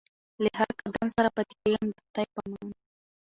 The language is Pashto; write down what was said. له هر قدم سره پاتېږمه د خدای په امان